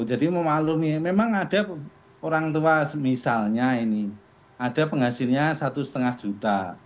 jadi memaklumi memang ada orang tua misalnya ini ada penghasilnya satu lima juta